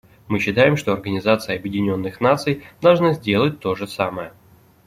Мы считаем, что Организация Объединенных Наций должна сделать то же самое.